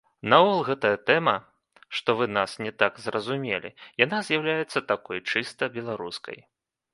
Наогул гэтая тэма, што вы нас не так зразумелі, яна з'яўляецца такой чыста беларускай.